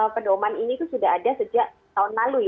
pendoman ini sudah ada sejak tahun lalu